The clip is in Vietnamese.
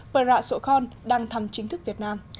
prasokon đăng thăm chính thức việt nam